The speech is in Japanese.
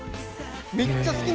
めっちゃ好きな味。